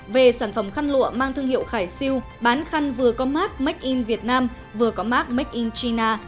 về sản phẩm khăn lụa mang thương hiệu khải siêu bán khăn vừa có mát make in việt nam vừa có mark make in china